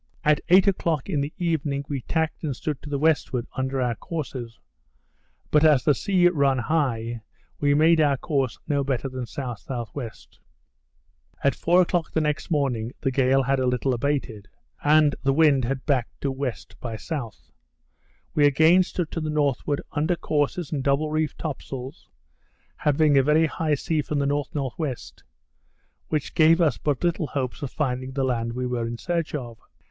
At eight o'clock in the evening we tacked and stood to the westward, under our courses; but as the sea run high, we made our course no better than S.S.W. At four o'clock the next morning, the gale had a little abated; and the wind had backed to W. by S. We again stood to the northward, under courses and double reefed top sails, having a very high sea from the N.N.W., which gave us but little hopes of finding the land we were in search of.